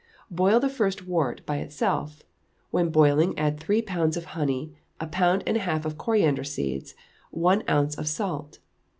Boil the first wort by itself; when boiling add three pounds of honey, a pound and a half of coriander seeds, one ounce of salt.